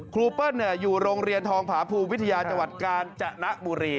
เปิ้ลอยู่โรงเรียนทองผาภูมิวิทยาจังหวัดกาญจนบุรี